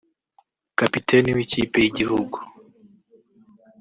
Kapiteni w’ikipe y’igihugu